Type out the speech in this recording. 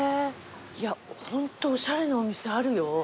いやホントおしゃれなお店あるよ。